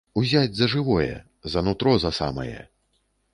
Узяць за жывое, за нутро за самае!